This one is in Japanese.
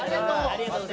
ありがとう！